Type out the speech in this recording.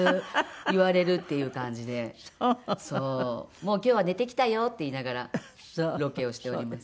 「もう今日は寝てきたよ」って言いながらロケをしております。